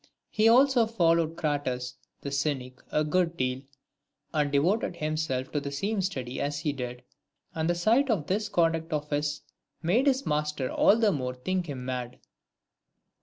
He also followed Crates the Cynic a good deal, and devoted himself to the same studies as he did ; and the sight of this conduct of his made his master all the more think him mad.